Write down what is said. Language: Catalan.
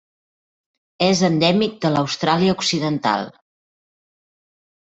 És endèmic de l'Austràlia Occidental.